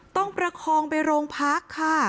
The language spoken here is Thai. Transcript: ต้องประคองไปโรงพักษณ์ค่ะ